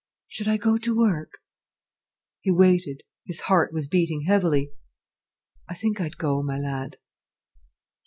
"Should I go to work?" He waited, his heart was beating heavily. "I think I'd go, my lad."